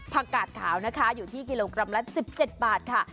กาดขาวนะคะอยู่ที่กิโลกรัมละ๑๗บาทค่ะ